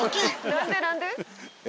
何で何で？